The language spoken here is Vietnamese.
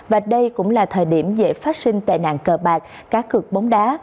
và đây cũng là thời điểm dễ phát sinh tệ nạn cờ bạc cá cực bóng đá